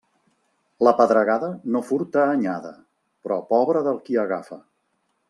La pedregada no furta anyada, però pobre del qui agafa.